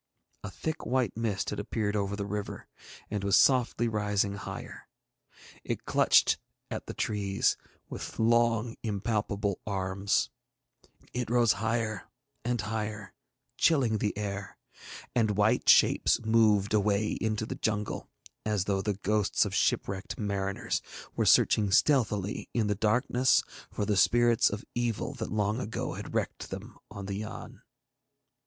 A thick white mist had appeared over the river, and was softly rising higher. It clutched at the trees with long impalpable arms, it rose higher and higher, chilling the air; and white shapes moved away into the jungle as though the ghosts of shipwrecked mariners were searching stealthily in the darkness for the spirits of evil that long ago had wrecked them on the Yann.